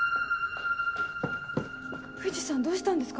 藤さんどうしたんですか？